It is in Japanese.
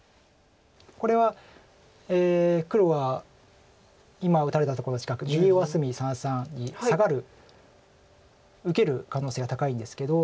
これは黒は今打たれたところ近く右上隅三々にサガる受ける可能性が高いんですけど。